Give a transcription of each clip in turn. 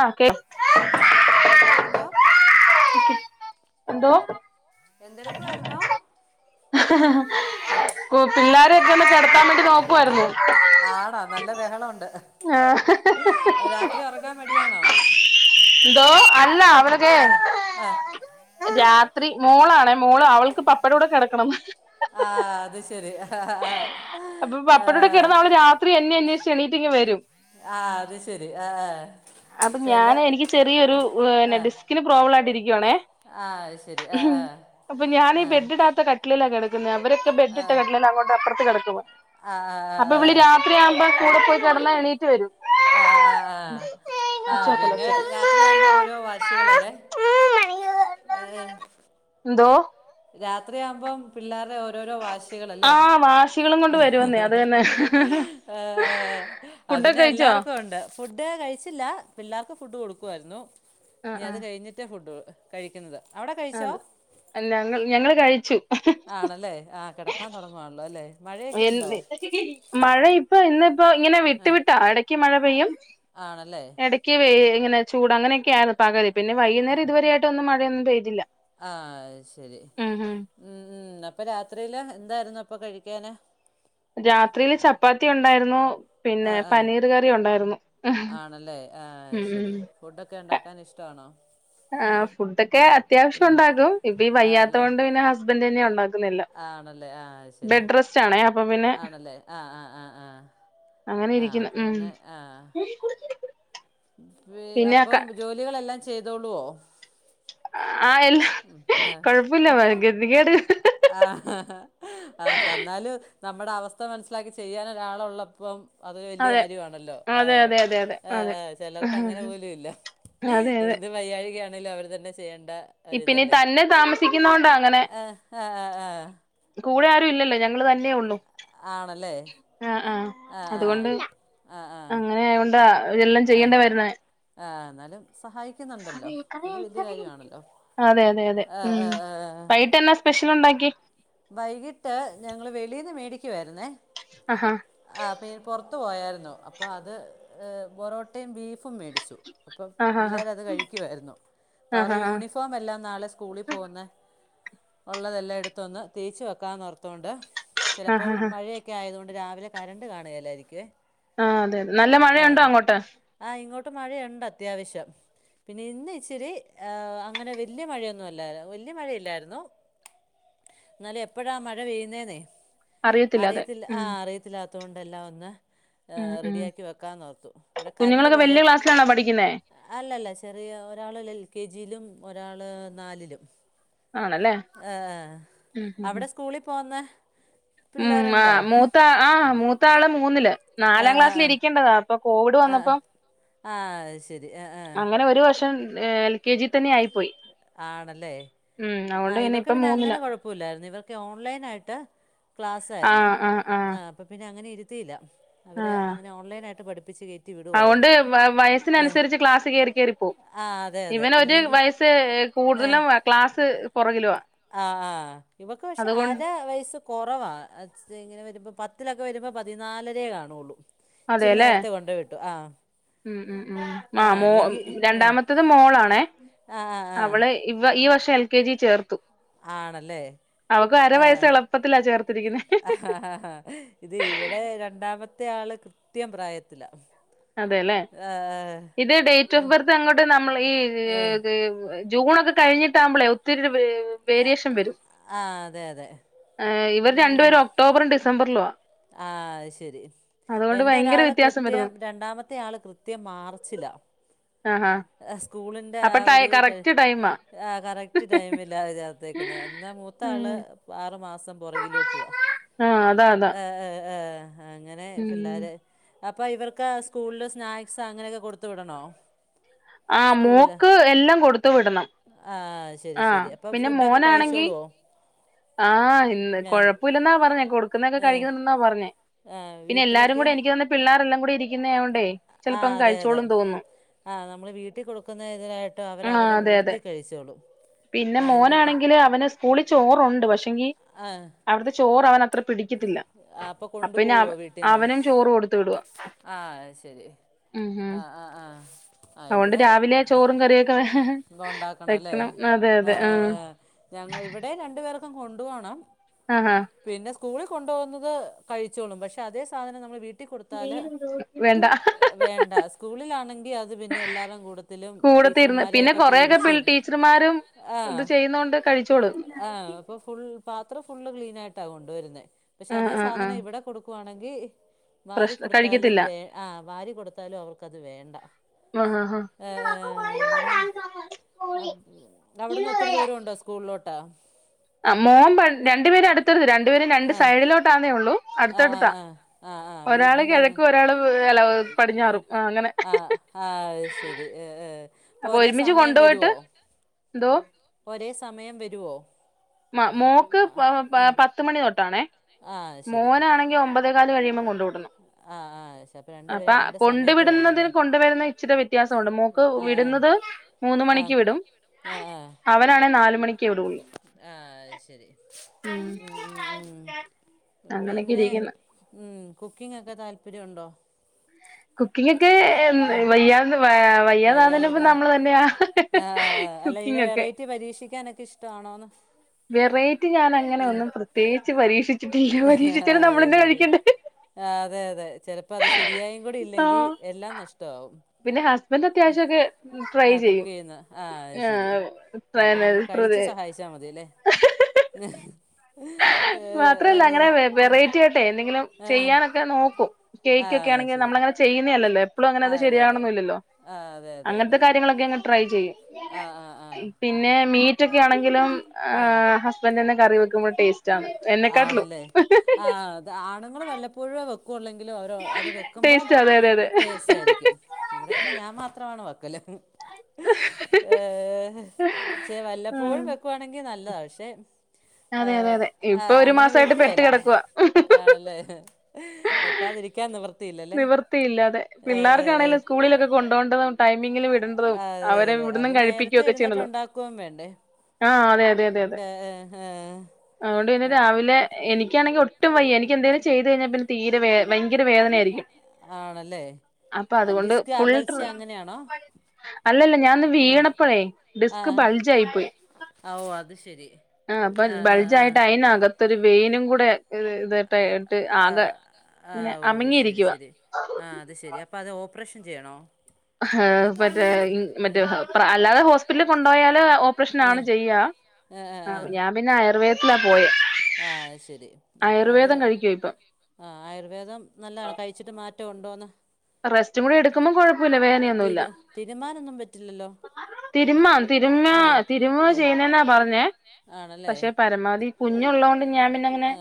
ആ കേ ആ എന്തെടുക്കുവായിരുന്നു എന്തോ എന്തെടുക്കുവായിരുന്നു ഓ പിള്ളേരെയൊക്കെ ഒന്ന് കിടത്താൻ വേണ്ടി നോക്കുവാരുന്നു ആണോ നല്ല ബഹളമുണ്ട് ആഹ് രാത്രി ഉറങ്ങാൻ മടിയാണോ എന്തോ അല്ല അവരൊക്കെ ദേ രാത്രി മോളാണ്‌ മോള് അവൾക്ക് പപ്പെടെ കൂടെ കിടക്കണം ആ അത് ശരി ആ അപ്പൊ ആ പപ്പയുടെ കൂടെ കിടന്ന് അവള് രാത്രി എന്നെ അന്വേഷിച്ചു എണീറ്റിങ്ങു വരും ആ അത് ശരി ആ ആ. അപ്പൊ ചില ഞാൻ എനിക്ക് ചെറിയൊരു നെഡ്സ് ഡിസ്കിന് പ്രോബ്ലം ആയിട്ടിരിക്കുവാനേ ആ അത് ശരി ആ അപ്പൊ ഞാൻ ഈ ആ ബെഡ് ഇടാത്ത കട്ടില് ട്ടില കിടക്കുന്നത് അവരൊക്കെ ബെഡ് ഇട്ട കട്ടില് അങ്ങോട്ട് അപ്പുറത്തു കിടക്കുവാ ആ ആ അപ്പൊ ആ, ആ. ഇവള് രാവിലെ രാത്രിയാകുമ്പോ കൂടെ പോയി കിടന്ന എണീറ്റ് വരും ആ ആ ആ ആ ഒച്ചവെക്കല്ലേ പിന്നെ രാത്രിയാകുമ്പോ ഒച്ചവെക്കല്ലേ ഓരോ വാശികളല്ലേ ഏ എന്തോ രാത്രിയാകുമ്പോം പിള്ളേരുടെ ഓരോരോ വ ആ ശികളല്ലേ വാശികളും കൊണ്ട് വരുവെന്നേ അത് തന്നെ ഫുഡൊക്കെ കഴിച്ചോ അതിനെല്ലാർക്കും ഉണ്ട് ഫുഡ് കഴിച്ചില്ല പിള്ളേർക്ക് ഫുഡ് കൊടുക്കുമായിരുന്നു ആ ഇനി ആ അത് കഴിഞ്ഞിട്ട് ഫുഡ് കഴിക്കുന്നത് അവിടെ കഴിച്ചോ അതെ അല്ല ഞങ്ങ ഞങ്ങള് കഴിച്ചു ആണല്ലേ ആ കിടക്കാൻ തുടങ്ങുവാണല്ലോ അല്ലേ മഴയൊക്കെ എ ഉണ്ടോ മഴ ഇപ്പൊ ഇന്നിപ്പോ ഇങ്ങനെ ആ, വിട്ടു വിട്ടാ ഇടക്ക് മഴ പെയ്യും ആണല്ലേ ഇടക്ക് വേ ഇങ്ങനെ ചൂട് അങ്ങനെയൊക്കെയാണ് പകല് പിന്നെ വൈകുന്നേരം ഇതുവരായിട്ട് ഒന്നും മഴയൊന്നും പെയ്തില്ല ആ അത് ശരി ഉം ഉം അപ്പം രാത്രിൽ എന്തായിരുന്നു അപ്പൾ കഴിക്കാന് രാത്രിൽ ചപ്പാത്തി ഉണ്ടായിരുന്നു ആ പിന്നെ ആ പനീർ കറി ഉണ്ടായിരുന്നു ആണല്ലേ ആ അത് ഉം ശരി ഉം ഫുഡൊക്കെ ഉണ്ടാക്കാൻ ഇഷ്ടമാണോ ആ ഫുഡൊക്കെ അത്യാവശ്യം ഉം. ഉണ്ടാകും ഇപ്പ വയ്യാത്ത ആണല്ലേ കൊണ്ട് പിന്നെ ഹസ് ഹസ്ബൻഡ് തന്നെയാ ഉണ്ടാക്കുന്നത് എല്ലാം ബെഡ്രെസ്റ്റ് ആണേ അപ്പൊ പിന്നെ ആണല്ലേ ആ ആ ആ ആ അങ്ങനെ ആ ഇരിക്കുന്നു അപ്പൊ ഉം പിന്നെ ആ പിന്നെ ക അപ്പം ജോലികളെല്ലാം ചെയ്തോളുവോ ആ എല്ല ഉം കൊഴപ്പമില്ല ഗതികേട് ആ എന്നല് നമ്മുടെ അവസ്ഥ മനസ്സിലാക്കി ചെയ്യാൻ ഒരാളുള്ളപ്പം അത്‌ വലിയ അതെ കാര്യമാണല്ലോ ആ അതെ അതെ അതെ അതെ ആ അതെ ആ ചിലർക്ക് അങ്ങനെ പോലും ഇല്ല അതെ അതെ എന്ത് വയ്യായ്കയാണ് ന്നാലും അവർ തന്നെ ചെയ്യേണ്ട ഇപ്പ പിന്നെ ഒരിതല്ലേ തന്നെ താമസിക്കുന്ന കൊണ്ട അങ്ങനെ ആഹ് ആഹ് ആഹ് ആഹ് കൂടെ ആരും ഇല്ലല്ലോ ഞങ്ങ ങ്ങള് തന്നെ ഉള്ളു ആണല്ലേ ആ ആ ആഹ് ആഹ് അതുകൊണ്ട് ആഹ് ആഹ് അങ്ങനെ ആയകൊണ്ടാ എല്ലാം ചെയ്യേണ്ട വരുന്നെ ആ എന്നാലും സഹായി അതെയതെ അതെ ആഹ് ഉം ആഹ് ആഹ് വൈകിട്ടു എന്നാ സ് സ്പെഷ്യൽ ഉണ്ടാക്കി വൈകിട്ട് ഞങ്ങള് വെളീന്ന് മേടിക്കുവായിരുന്നേ ആഹാ ആഹ് അപ്പ പുറത്തു പോയായിരുന്നു അപ്പം അത് പൊറോട്ടയും ബീഫും മേടിച്ചു അപ്പം ആഹാ ഹാ പിള്ളേരത് കഴിക്കുവായിരുന്നു അപ്പ ആഹാ അവരു ഹാ യൂണിഫോം എല്ലാം നാളെ സ്കൂളിൽ പോകുന്ന ഉള്ളതെല്ലാം എടുത്തൊന്ന് തേച്ച് വെക്കാന്നോർത്തോണ്ട് ആഹാ ചിലപ്പോം ഹാ മഴയൊക്കെ ആയതുകൊണ്ട് രാവിലെ കറണ്ട് കാണുകേല്ലായിരിക്കുവേ ആഹ് അതെ അതെ നല്ല മഴയുണ്ടോ അങ്ങോട്ട് ആഹ് ഇങ്ങോട്ട് മഴയുണ്ട് അത്യാവശ്യം പിന്നെ ഇന്ന് ഇച്ചിരി അങ്ങനെ വല്യ മഴയൊന്നുമല്ലായിരുന്നു വല്യ മഴയില്ലായിരുന്നു എന്നാലും എപ്പോഴാ മഴ പെയ്യുന്നേന്നേ അതെ അറിയത്തില്ല ഉം ആഹ് അറിയത്തില്ല ത്തോണ്ടെല്ലാം ഒന്ന് ഉം ഉം റെഡിയാക്കി വെക്കാന്നോർത്തു ഇവിടെ കരണ്ട് കുഞ്ഞുങ്ങളൊക്കെ പോയാ വല്യ ക്ലാസ്സിലാണോ പഠിക്കുന്നേ അല്ലല്ല ചെറിയ ഒരാൾ എൽ കെ ജിയിലും ഒരാള് നാലിലും ആണല്ലേ ആഹ് ഉം ഉം അവിടെ ഉം സ്കൂളിൽ പോവുന്ന ഉം ആഹ് മൂത്ത ആഹ് മൂത്ത മൂത്താള് മൂന്നില് നാലാം ആഹ് ക്ലാസ്സില് ആഹ് ഇരിക്കേണ്ടതാ അപ്പൊ കോവിഡ് ആഹ് ആഹ് വന്നപ്പോം ആഹ് അത് ശരി ആഹ് ആഹ് അങ്ങനെ ഒരു വർഷം എൽ കെ ജി തന്നെ ആയി പോയി ആണല്ലേ ആഹ് ഇവർക്ക് ഇപ്പം പിന്നെ അങ്ങനെ മൂന്നിലാ കുഴപ്പ പോലായിരുന്നു ഇവർക്ക് ഓൺലൈനായിട്ട് ക്ലാസ്സായിരുന്നു ആഹ് ആഹ് ആഹ് അപ്പ പിന്നെ അങ്ങനെ ഇരുത്തിയില്ല ഇവര് ആഹ് അങ്ങനെ ഓൺലൈനായിട്ട് പഠിപ്പിച്ച് കയ കത്തി വിടുായിരുന്നു അതുകൊണ്ട് ഏഹ് വയസ്സിനനുസരിച്ച് ക്ലാസ് കയറി കയറിപ്പോവും ആഹ് അതെ അതെ ഇവന് ഒരു ഇല്ലെങ്കിൽ വയസ്സ് ആഹ് കൂടുതലും ക്ലാസ് പുറകിലുവാ ആഹ് ആഹ് ഇവൾക്ക് പക്ഷെ അതുകൊണ്ട് അര വയസ്സ് കുറവാ ഇങ്ങനെ വരുമ്പോൾ പത്തിലൊക്കെ വരുമ്പോൾ പതിനാലരേ കാണുള്ളൂ ഇച്ചിരി അതെല്ലേ നേരത്തെ കൊണ്ടു പോയി വിട്ടു ആഹ് ഉം ഉം ഉം ആഹ് മോ രണ്ടാമത്ത ആ ഇത് മോളാണെ ആ ആ അവള് ഇവ ഈ വർഷം എൽ കെ ജി ചേർത്തു ആണല്ലേ അവക്ക് അര വയസ്സ് ആഹ് എളുപ്പത്തിലാ ചേർത്തിരിക്കുന്നെ ആ ഇത് ഇവിടെ രണ്ടാമത്തെ ആള് കൃത്യം പ്രായത്തിലാ അതെല്ലേ ഏഹ്, ഇത് ഡേറ്റ് ഓഫ് ബർത്ത് അങ്ങോട്ട് നമ്മൾ ഈ ഏഹ്, ജൂണൊക്കെ കഴിഞ്ഞിട്ടാകുമ്പോളേ ഒത്തിരി വേരിയേഷൻ ആഹ് അതെ അതെ ഇവര് രണ്ടുപേരും ഒക്ടോബറും ഡിസംബറിലും ആഹ് ആഹ് അത് ശരി എൻ്റെ ഒരാൾ വ്യത്യാസം കൃത്യം വരുന്നു രണ്ടാമത്തെയാൾ കൃത്യം മാർച്ചിലാ ആഹ് ഹാ സ്കൂളിന്റെ ആഹ് ഒരു ക ടൈമാ ആഹ് കറക്റ്റ് ടൈമിലാ ചേർത്തേക്കുന്നെ എന്നാ ഉം മൂത്താള് ആറ് മാസം പുറകിലോട്ടുവാ ആഹ് അതാ അതാ ഏഹ് ഏഹ് എഹ് അങ്ങനെ ഉം പിള്ളേര് അപ്പം ഇവർക്ക് സ്കൂളിൽ സ്നാക്സ് അങ്ങനെക്കെ കൊടുത്തു വിടണോ? ആഹ് സ്കൂളിൽ മോക്ക് എല്ലം കൊടുത്തു വിടണം ആഹ് ശരി ആഹ് ശരി അപ്പൊ പിന്നെ ഫുഡൊക്കെ മോനാണെങ്കി കഴിച്ചോളോ ആഹ് ഇന്ന് കൊഴപ്പില്ലെന്നാ പറഞ്ഞെ കൊടുക്കുന്നെക്കെ ഏഹ് കഴിക്ക്ണ്ട് ന്നാ പറഞ്ഞേ ആഹ് പിന്നെ എല്ലാരു വീട്ടിലൊക്കെയോ കൂടെ എനിക്ക് തോന്നുന്നു പിള്ളേരെല്ലാം കൂടി ഇരിക്കുന്ന യായോണ്ടേ ആഹ് ചിലപ്പോം അതെ അതെ കഴിച്ചോളുന്ന് തോന്നു. ആഹ് നമ്മള് വീട്ടി കൊടുക്കുന്ന തിനായിട്ട് അവര് ആഹ് അവര്ടെ അതെ അതെ കൂട്ടത്തി കഴിച്ചോളും പിന്നെ ആഹ് ഇവിടെ മോനാണെങ്കില് അവന് സ്കൂളി ചോറുണ്ട് പക്ഷെങ്കി അവിട്ത്തെ ചോറ് അവൻ അത്ര പിടിക്കത്തില്ല അഹ് അപ്പൊ കൊണ്ടു പിന്നെ അവ പോവോ വീട്ടീന്ന് അവനും ചോറ് കൊടുത്ത് വിടുവാ ആഹ് അയ് ശരി ഉം ഉം ആഹ് ആഹ് ആഹ് അ അതുകൊണ്ട് ഇവിടെ രാവിലെ ചോറും കറിയൊക്കെ ഉണ്ടാക്കണം അല്ലേ വെക്കണം അതെ അതെ ആഹ് എഹ് എഹ് ഇവിടേം രണ്ടു പേർക്കും കൊണ്ടു പോകണം ആഹ് ഹ പിന്നെ സ്കൂളിൽ കൊണ്ടോകുന്നത് കഴിച്ചോളും പക്ഷെ അതേ സാധനം നമ്മൾ വീ ണ്ട് കൊടുത്താല് വേണ്ട വേണ്ട സ്കൂളിലാണെങ്കിൽ അത് പിന്നെ എല്ലാരും കൂട കൂടെത്തിരുന്ന് പിന്നെ കൊറെക്കെ ടീച്ചർമാരും ഇത് ആഹ് ചെയ്യുന്നോണ്ട് കഴിച്ചോളും ആഹ് ഇപ്പൊ ഫുൾ പാത്രം ഫുള്ള് ക്ലീനായിട്ടാണ് കൊണ്ടുവരുന്നത് പക്ഷെ ആഹ് അതേ ആഹ് ആഹ് സാധനം ഇവിടെ കൊടുക്കുവാണെങ്കി വാരി പ്രശ്ന കൊടുത്താലും കഴിക്കത്തില്ല വേ ആഹ് വാരി കൊടുത്താലും അവൾക്കത് വേണ്ട ആഹ് ഹ ഹ ഏ ഏഹ് എങ്ങനെ അ അവിട്ന്ന് ഒത്തിരി ദൂരമുണ്ടോ സ് സ്കൂൾലോട്ട് മോൻ പ രണ്ടു പേരും അടുത്തെടുത്ത് രണ്ടുപേരും രണ്ട് ആഹ് സൈഡിലോട്ടാന്നേള്ളൂ ആഹ് അടുത്തടുത്താ ആഹ് ആഹ് ആഹ് ആഹ് ഒരാള് വീടിന്റെ അവിടെ കെഴക്കും ഒരാള് എല പടിഞ്ഞാറും അങ്ങനെ ആഹ് ആഹ് അശരി ഏ അപ്പൊ ഒരുമിച്ച് കൊണ്ടുപോയിട്ട് ന്തോ ഒരേ സമയം വരുവോ മ മോക്ക് ആ പത്ത്മണി തൊട്ടാണെ ആ ശരി മോനാ ണെങ്കി ഒമ്പതേകാൽ കിയുമ്പ കൊണ്ടോ വിടും ആ ആ ശ അപ്പം രണ്ടു അപ്പ പേരും രണ്ട് കൊണ്ടു സമയത്ത് വിടണം അല്ലേ വിടുന്നതിന് കൊണ്ടുവരുന്ന ഇച്ചിരി വ്യത്യാസണ്ട് മോക്ക് ആ ആ വിടുന്നത് മൂന്ന ആ മണിക്ക് വിടും ആ അവനാണേ നാല മണിക്ക് വിടുള്ളൂ ആഹ് അശരി ഉം ഉം അങ്ങനെയൊക്കെ പിന്നെ ഇരിക്കുന്നു ഉം കുക്കിംഗൊക്കെ താല്പര്യണ്ടോ? കുക്കിംഗക്കെ എ വയ്യാത വയ്യാതാനപ്പ നമ്മള് തന്നെയാ ആഹ് അല്ല ഇനെ കുക്കിംഗ് ഒക്കെ വെറൈറ്റി പരീക്ഷിക്കാനൊക്കെ ഇഷ്ടമാണോന്ന് വെറൈറ്റി ഞാൻ അങ്ങനെ ഒന്നും പ്രത്യേകിച്ച് പരീക്ഷിച്ചിട്ടില്ല പരീക്ഷിച്ചിട്ടും അത് നമ്മളന്നെ ശരി കഴിക്കണ്ടേ ആ അതെ അതെ ചിലപ്പോ അത് ശരിയായും കൂടില്ലെങ്കിൽ ആഹ് എല്ലാം നഷ്ടാവും പിന്നെ ഹസ്ബൻറ് അത്യാവശ്യംക്കെ ആഹ് കുക്ക് ചെയ്യുന്ന ആഹ് അ ശരി അപ്പൊ നമ്മൾ കഴിച്ചു സഹായി ച്ചാ മതില്ലേ ഹ് മാത്രല്ലാ അങ്ങനെ വെറൈറ്റി ആയിട്ടെ എന്തെങ്കിലും ആ ചെയ്യാനൊക്കെ നോക്കും ആ കേക്ക്ക്കെ ആണെങ്കിൽ ശരി നമ്മളങ്ങനെ ചെയ്യുന്നല്ലല്ലേ പ്പളു അങ്ങനെ ആ അത് അതെ അതെ ശരിയാണവന്നില്ലല്ലോ ആ അതെ അതെ അങ്ങൻത്തെ അതെ കാര്യങ്ങളൊക്കെ ങ് ട്രൈ ചെയ്യും ആ ആ ആ ആ പിന്നെ അപ്പം മീറ്റൊക്കെ ആ ആണെങ്കിലും ആ ആഹ് ഹ സ് ബന്നെ കറി വെക്കുമ്പോ ടേസ്റ്റാണ് എന്നെ കാട്ടിലും ആണല്ലേ ആ അത് ആണുങ്ങൾ വെല്ലപ്പോഴുവെ വെക്കുള്ളെങ്കിലും ഓരോ അത് വെക്കുമ്പോം ടേസ്റ്റ് അതെ അതെ അതെ ടേസ്റ്റായിരിക്കും ഇവിടെ പിന്നെ ഞാൻ മാത്രമാണ് വക്കല് ഏഹ്‌ഹ് ചേ ഉം വല്ലപ്പോഴും വെക്കുവാണെങ്കി നല്ലതാ ക്ഷെ അതെ അതെ അതെ ഇപ്പൊ ഒരു മാസായിട്ട് പെട്ട് വെക്കുകേല കിടക്കുവാ. ആണല്ലേ വെക്കാതിരിക്കാൻ നിവർ നിവർത്തിയില്ലാതെ പിള്ളേർക്കാണേലും സ്കൂളിലൊക്കെ കൊണ്ടോണ്ടതും ടൈമിങ്ങില് വിട തും അതെ അവരെ അതെ അത് ഇവട്ന്നും നേരത്തെ കഴിപ്പിക്ക്യൊക്കെ എഴുന്നേറ്റ് ചെയ്യണല്ലോ ഉണ്ടാക്കുകയും വേണ്ടേ ആഹ് അതെ അതെ അതെ അതെ ഏ ഏ അതുകൊണ്ട് പിന്നെ ഏ. രാവിലെ എനിക്കാണെങ്കി ഒട്ടും വയ്യാ എനിക്ക് എന്തേലും ചെയ്തു കഴിഞ്ഞാൽ പിന്നെ തീരെ വേ ഭയങ്കര വേദനയാ ആണല്ലേ അതുകൊണ്ട് ഡിസ്ക് ഫുൾ അകൽച്ച അങ്ങനെയാണോ. അല്ലല്ല. ഞാ ന്ന് വീണപ്പഴേ ആ ഡിസ്ക് ബൾജ് ആയി പോയി ആ ഓ അത് ശരി ആഹ് അപ്പം ആ ആ ബൾജായിട്ട് അയിനകത്തൊരു വെയിനും കൂടെ ഇതട്ട് ഇട്ട് അ ആകെ ഇങ്ങനെ അഹു ഓഹ് ശരി അത് അമങ്ങിയിരിക്കുവ ശരി. ആഹ് അത് ശെരി അപ്പൊ അത് ഓപ്പറേഷൻ ചെയ്യണോ? അഹാ മറ്റേ ഇൻ മറ്റേ പ്രാ അല്ലാതെ ഹോസ്പിറ്റലി കൊണ്ടോയാല് ഏ, ഓപ്പറേഷനാണ് ചെയ്യാ. ആ ആ ആ ആഹ് ഞാൻ പിന്നെ ആയുർവേദത്തിലാ പോയേ. അഹ് ശരി അപ്പ അത് ആഹ് ആയുർവേദം നല്ലതാണ് കഴിച്ചിട്ട് മാറ്റം ഉണ്ടോന്ന് റസ്റ്റും കൂടി എടുക്കുമ്പം കൊഴപ്പമില്ല വേനയൊന്നു ഇല്ല തിരു തിരുമാനൊന്നും പറ്റില്ലല്ലോ തിരുമ്മാം തിരുമ്മ ആ തിരുമ ആ ചെയ്യുന്നെന്നാ പറഞ്ഞേ ആണല്ലേ പക്ഷെ പരമാവധി കുഞ്ഞുള്ളോണ്ട് ഞാൻ പിന്നെ അങ്ങനെ ആ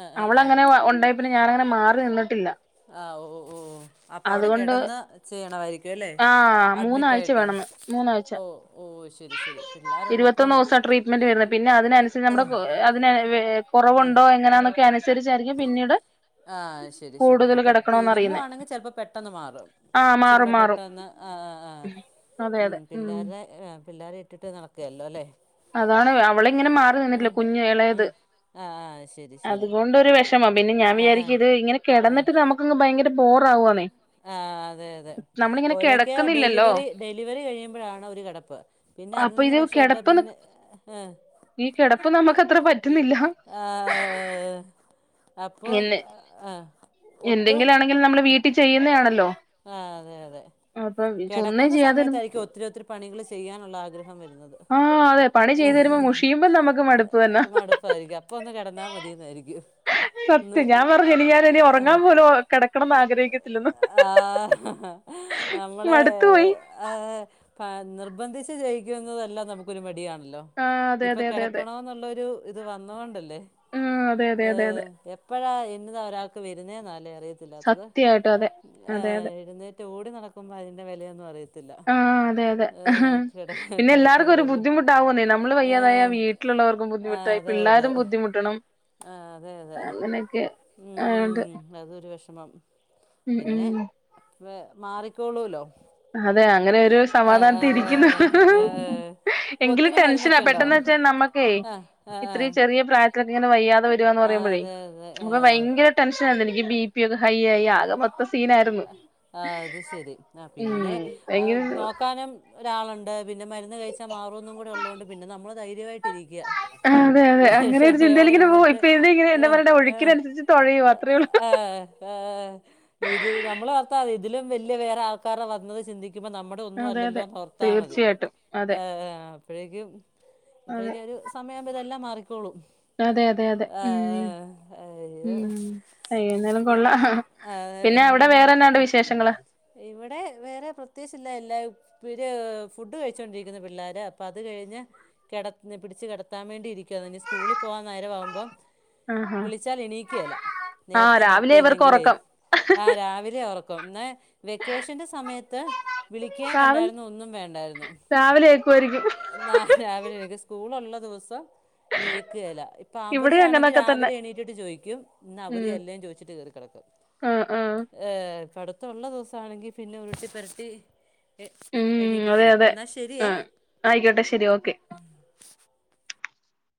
ആ ആ ആ അവളങ്ങനെ ഉണ്ടായി പിന്നെ ഞാനങ്ങനെ മാറി നിന്നിട്ടില്ല. ആഹ് ഓഹ് ഓഹ് അപ്പൊ അവിടെ അതുകൊണ്ട് കിടന്ന് ചെയ്യണമായിരിക്കും അല്ലെ ആ അഡ്മിറ്റ് മൂന്നാഴ്ച ആയിട്ട് വേണന്ന് മൂന്നാഴ്ച ഓഹ് ഓഹ് ശരി ശരി പിള്ളേരുള്ളപ്പം ഇരുപത്തൊന്ന് ദിവസം ആഹ് അതിനെ വേ കുറവുണ്ടോ എങ്ങനാന്നൊക്കെ അനുസരിച്ചായിരിക്കും പിന്നീട് ആഹ് ശരി ശരി. കൂടുതൽ അപ്പം കിടക്കണോന്ന് അറിയുന്നേ തിരുമ്മുവാണെങ്കിൽ ചിലപ്പോ പെട്ടെന്ന് മാറും. ആഹ് മാറും ഇച്ചിരിരൂടെ മാറും പെട്ടെന്ന് ആഹ് ആഹ് അതെ ഉം അതെ പിള്ളേര്ടെ പിള്ളേരെ ഇട്ടിട്ട് നടക്കേല്ലല്ലോ അല്ലേ അതാണ് അവള ഇങ്ങനെ മാറി നിന്നിട്ടില്ല കുഞ്ഞ് ഇളയത് ഉം. ആ ആ ശരി ശരി അതുകൊണ്ടൊരു വെഷ് മം. പിന്നെ ഞാൻ ആ ആ വിചാരിക്ക ഇത് ഇങ്ങനെ കിടന്നിട്ട് നമുക്കങ്ങ് ഭയങ്കര ബോർ ആവുവാണേ ആഹ് അതെ അതെ. ഓരൊക്കെ കിടക്കുന്നില്ലല്ലോ ഡെലിവറി ഡെലിവറി കഴിയുമ്പഴാണ് ഒരു കിടപ്പ് പിന്നെ അതിൽ അപ്പൊ നിന്ന് ഇത് രക്ഷപ്പെട്ട കിടപ്പ് പിന്നെ ഏഹ് ഈ കിടപ്പ് നമുക്കത്ര പറ്റുന്നില്ല. ആഹ് അപ്പം എന്നെ ആഹ് ഒട്ടും എന്തെങ്കിലും ആണെങ്കിലും നമ്മള് വീട്ടിൽ ചെയ്യുന്നതാണല്ലോ ആഹ് അതെ അതെ അപ്പം ഒന്നും കെടക്കുന്ന ചെയ്യാതിരുന്നു സമയത്തായിരിക്കും ഒത്തിരി ഒത്തിരി പണികൾ ചെയ്യാനുള്ള ആഗ്രഹം വരുന്നത്. ആഹ് അതെ പണി ചെയ്തു വരുമ്പോ മുഷിയുമ്പോ നമുക്ക് മടുപ്പ് തന്നെ മടുപ്പായിരിക്കും അപ്പ ഒന്ന് കിടന്നാ മതിന്നായിരിക്കും. ന്ന് സത്യം ഞാൻ പറഞ്ഞു ഇനി ഞാൻ ഇനി ഉറങ്ങാൻ പോലും കിടക്കണംന്ന് ആഗ്രഹിക്കത്തില്ലെന്ന് ആഹ് നമ്മളേ മടുത്തു പോയി ഏഹ് പ നിർബന്ധിച്ച് ചെയിക്കുന്നതെല്ലാം നമുക്കൊരു മടിയാണല്ലോ ആ അതെ ഇപ്പൊ അതെ അതെ അതെ കിടക്കണോ ന്നുള്ളൊരു ഇത് വന്നോണ്ടല്ലേ. ആ അതെ അതെ അതെ അതെ ഏഹ് എപ്പഴാ എന്നതാ ഒരാക്ക് വരുന്നേ ന്നാല്ലേ അറിയ ത്തില്ലാത്തത്. സത്യമായിട്ടും അതെ അതെ ഏഹ് അതെ എഴുന്നേറ്റ് ഓടി നടക്കുമ്പോ അതിന്റെ വെലയൊന്നും അറിയത്തില്ല. ആഹ് അതെ അതെ. ഏഹ്, കിട കിടക്കും പിന്നെല്ലാർക്കും ഒരു വിടൽ ബുദ്ധിമുട്ടാവുവന്നേ നമ്മള് വയ്യാതായ ആഹ് വീട്ടിലുള്ളവർക്കും ബു ആഹ് ദ്ധിമുട്ടായി അതെ അതെ പിള്ളാരും ബുദ്ധിമുട്ടണം. ആഹ് അതെ അതെ. അതൊക്കെ ഉം ആഹ് ത് ഉം അതൊരു വെഷമം പിന്നെ ഉം വെ മാറിക്കോളൂല്ലോ അതെ അങ്ങനൊ ര് ആഹ് സമാധാനത്തി ആഹ് ആഹ് ഇരിക്കുന്നു. ആഹ് ആഹ് ഇപ്പൊ എങ്കിലും ഒത്തിരി ടെൻഷനാ മരുന്നൊക്കെ ഉണ്ടോ പെട്ടെന്ന് വെച്ചാ നമ്മക്കേ ആഹ് ആഹ് ഇത്രയും ആഹ് ചെറിയ പ്രായത്തിലൊക്കെ ഇങ്ങനെ വയ്യാതെ വരുവാന്ന് ആഹ് പറയുമ്പഴേ അതെ അതെ അപ്പൊ ആഹ് ഭയങ്കര ടെൻഷ നാന്ന് എനിക്ക് ബി പി ഒക്കെ ഹൈ ആയി ആകെ മൊ ആ അത് ശരി ആ ഉം പിന്നെ ഭയങ്കര നോക്കാനും ഒരാളുണ്ട്. പിന്നെ മരുന്ന് കഴിച്ചാൽ മാറുമന്നും കൂടെ ഉള്ളത കൊണ്ട് പിന്നെ നമ്മൾ ധൈര്യമായിട്ട ഇരിക്കുക. അതെ അതെ അങ്ങനെ ഒരു ചിന്തയിൽ ക്ഷമയോടെ ഇങ്ങനെ പോവും ഇരുന്നിട്ട് ഇപ്പൊ ഇത് ഇങ്ങനെ എന്താ പറയണ്ടേ ഒഴുക്കിനനുസരിച്ച് തുഴയും അത്രേ ഉള്ളൂ ഏ ഇത് നമ്മൾ ഓർത്ത മതി ഇതിലും വലിയ വേറെ ആൾക്കാര വന്നത് ചിന്തിക്കുമ്പോൾ നമ്മുടെ ഒന്നും അതെ അല്ലലോ അതെ എന്നോർത്താമതി തീർച്ചയായിട്ടും അതെ ആ അപ്പോഴേക്കും അതെ അപ്പോഴേക്കും അവർ സമയയാവുമ്പ ഇതെല്ലാം മാറിക്കോളും അതെ അതെ അതെ ആ ഉം അയോ ഉം അയ്യോ എന്നാലും കൊള്ളാം പിന്നെ അവിടെ വേറെന്താ ഉണ്ട് വിശേഷങ്ങൾ ഇവിടെ വേറെ പ്രത്യേകിച്ച് ഇല്ല എല്ല ഇവര് ഫുഡ് കഴിച്ചോണ്ടിരിക്കുന്നു പിള്ളേര്. അപ്പൊ അത് കഴിഞ്ഞ പിടിച്ച് കിടത്താൻ വേണ്ടയിരിക്കുകയാണ് ഇനി സ്കൂളിൽ പോവാൻ നേരമാകുമ്പോം ആഹാ വിളിച്ചാൽ ഇനീക്കയില്ല ആഹ് നേരത്തെ രാവിലെ ഇവർക്ക് കടത്തിയില്ലെങ്കില് ഒറക്കം ആ രാവിലെ ഉറക്കും എന്നാ വെക്കേഷന്റെ സമയത്ത് വിളിക്കാൻ രാവിലെ വേണ്ടായിരുന്നു ഒന്നും വേണ്ടായിരുന്നു രാവിലെ ഏക്കുവായിരിക്കും നാ രാവിലെ എനിക്ക് സ്കൂളുള്ള ദിവസം എണിക്കുകല്ല ഇപ്പം ഇവിടെ അവധിയാണെങ്കിൽ അങ്ങനൊക്കെ തന്നെ രാവിലെ എണീറ്റിട്ട് ചോദിക്കും ഇന്ന് ഉം അവധിയെല്ലേ ചോദിച്ചിട്ട് കേയറിക്കിടക്കും ആഹ് ആഹ് പടുത്തം ഉുള്ള ദിവസമാണെങ്കിൽ പിന്നെ ഉരുട്ടി പുരട്ടി എ ഉം അതെ എണീപ്പിക്കണം അതെ എന്നാൽ ശരിയേ ആഹ് ആയിക്കോട്ടെ ശരി ഓക്കെ